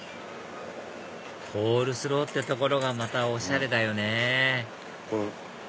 コールスローってところがまたおしゃれだよね